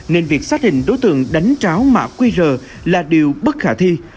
nên việc xác định đối tượng đánh tráo mã qr là điều bất khả thi